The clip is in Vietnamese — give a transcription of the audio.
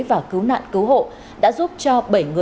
và cứu nạn cứu hồ